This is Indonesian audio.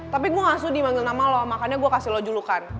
tapi gue gak sudi manggil nama lo makanya gue kasih lo julukan